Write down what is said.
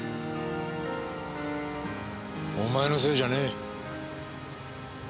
お前のせいじゃねえ。